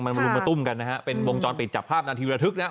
มันมารุมมาตุ้มกันนะฮะเป็นวงจรปิดจับภาพนาทีระทึกนะครับ